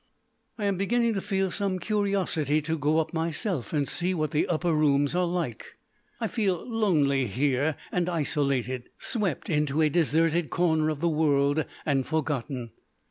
I am beginning to feel some curiosity to go up myself and see what the upper rooms are like. I feel lonely here and isolated, swept into a deserted corner of the world and forgotten...